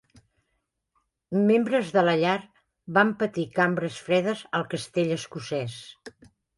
Membres de la llar van patir cambres fredes al castell escocès.